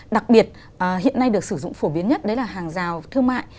đặc biệt hiện nay được sử dụng phổ biến nhất đấy là hàng rào thương mại